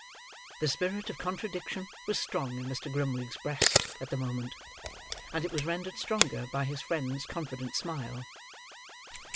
The spirit of contradiction was strong in Mr. Grimwig's breast, at the moment; and it was rendered stronger by his friend's confident smile.